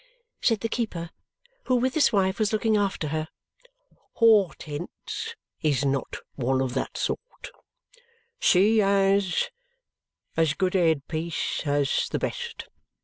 said the keeper, who, with his wife, was looking after her. "Hortense is not one of that sort. She has as good a head piece as the best.